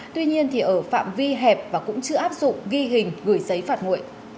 tuy nhiên thì ở phạm vi hẹp và cũng chưa áp dụng ghi hình gửi giấy phạt nguội